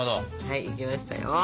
はいいけましたよ。